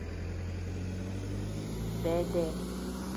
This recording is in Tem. Bedee.